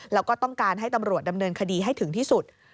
แล้วก็ต้องการให้ตำรวจดำเนินคดีให้ถึงที่สุด